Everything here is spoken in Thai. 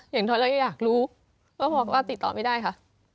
อย่างน้อยเราก็อยากรู้ก็บอกว่าติดต่อไม่ได้ค่ะ